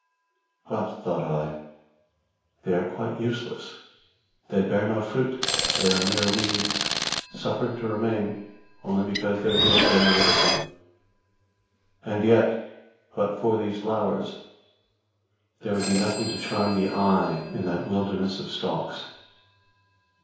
But, thought I, they are quite useless; they bear no fruit; they are mere weeds, suffered to remain only because there is no getting rid of them. And yet, but for these flowers, there would be nothing to charm the eye in that wilderness of stalks.